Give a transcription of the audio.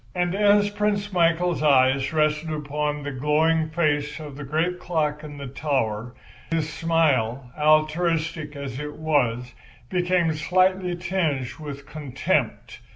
And as Prince Michael's eye rested upon the glowing face of the great clock in the tower, his smile, altruistic as it was, became slightly tinged with contempt.